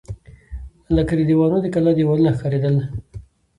لکه د دیوانو د کلا دېوالونه ښکارېدل.